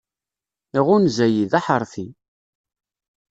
Iɣunza-yi, d aḥeṛfi.